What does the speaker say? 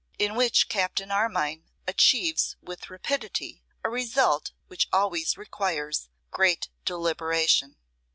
In Which Captain Armine Achieves with Rapidity a Result Which Always Requires Great Deliberation.